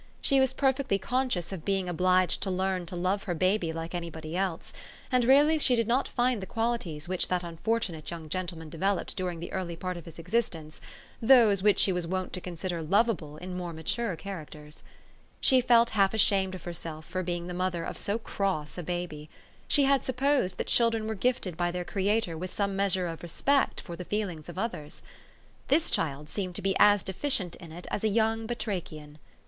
She was perfectly conscious of being obliged to learn to love her l>aiby like anybody else ; really g.he did not find the qualities which that THE STORY OF AVIS. 275 unfortunate young gentleman developed during the early part of his existence, those which she was wont to consider lovable in more mature characters. She felt half ashamed of herself for being the mother of so cross a baby. She had supposed that children were gifted by their Creator with some measure of respect for the feelings of others. This child seemed to be as deficient in it as a young batrachian.